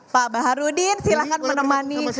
pak baharudin silahkan menemani